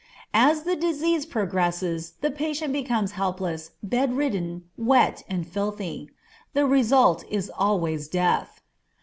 As the disease progresses the patient becomes helpless, bedridden, wet, and filthy. The result is always death.